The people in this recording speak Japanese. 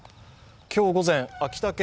今日午前、秋田県